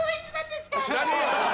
知らねえよ！